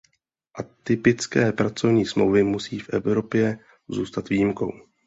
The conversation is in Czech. Atypické pracovní smlouvy musí v Evropě zůstat výjimkou.